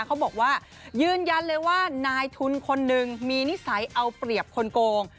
เขาบอกว่ายืนยันเลยว่านายทุนคนหนึ่งมีนิสัยเอาเปรียบคนโกง